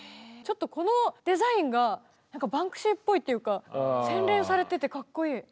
ちょっとこのデザインがバンクシーぽいっていうか洗練されててかっこいい。